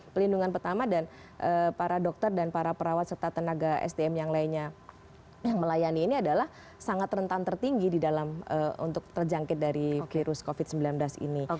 pelindungan pertama dan para dokter dan para perawat serta tenaga sdm yang lainnya yang melayani ini adalah sangat rentan tertinggi di dalam untuk terjangkit dari virus covid sembilan belas ini